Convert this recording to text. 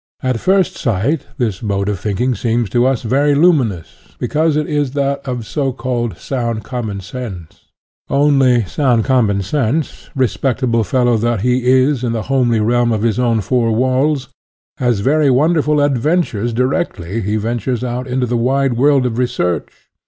At first sight this mode of thinking seems to us very luminous, because it is that of so called sound commonsense. Only sound commonsense, respectable fellow that he is, in the homely realm of his own four walls, has very wonderful adventures directly he ventures out into the wide world of research.